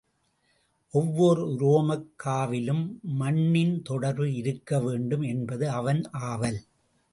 ஒவ்வோர் உரோமக் காவிலும் மண்ணின் தொடர்பு இருக்க வேண்டும் என்பது அவன் ஆவல்.